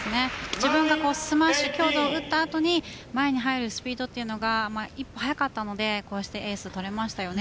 自分がスマッシュ強打を打った後に前に入るスピードが一歩速かったのでこうしてエースが取れましたね。